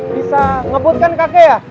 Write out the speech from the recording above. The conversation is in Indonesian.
bisa ngebutkan kakek ya